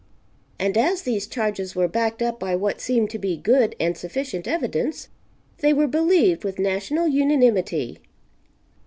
And as these charges were backed up by what seemed to be good and sufficient, evidence, they were believed with national unanimity.